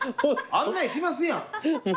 案内しますやん。